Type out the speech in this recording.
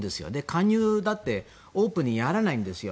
勧誘だってオープンにやらないんですよ。